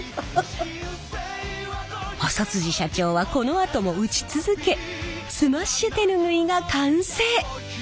細社長はこのあとも打ち続けスマッシュ手ぬぐいが完成。